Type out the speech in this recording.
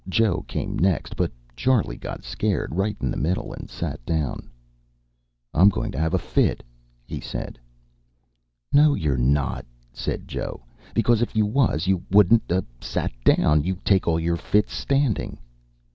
Joe came next. But Charley got scared right in the middle and sat down. "I'm going to have a fit," he said. "No, you're not," said Joe. "Because if you was you wouldn't 'a' sat down. You take all your fits standing."